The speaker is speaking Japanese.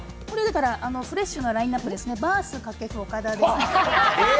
フレッシュなナインナップですね、バース、掛布、岡田です。